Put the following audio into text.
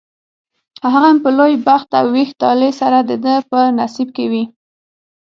هغه هم په لوی بخت او ویښ طالع سره دده په نصیب کې وي.